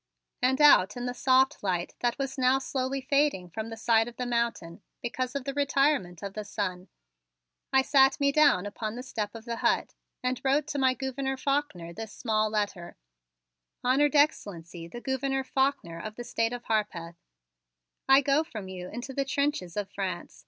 And out in the soft light that was now slowly fading from the side of the mountain because of the retirement of the sun, I sat me down upon the step of the hut and wrote to my Gouverneur Faulkner this small letter: "Honored Excellency, the Gouverneur Faulkner, of the State of Harpeth: "I go from you into the trenches of France.